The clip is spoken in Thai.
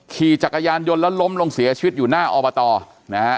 ขี่จักรยานยนต์แล้วล้มลงเสียชีวิตอยู่หน้าอบตนะฮะ